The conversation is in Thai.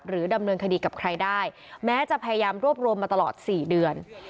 ดำเนินคดีกับใครได้แม้จะพยายามรวบรวมมาตลอด๔เดือน